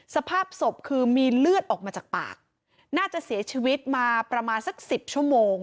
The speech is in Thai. สภาพศพคือมีเลือดออกมาจากปากน่าจะเสียชีวิตมาประมาณสักสิบชั่วโมง